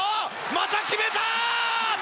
また決めた！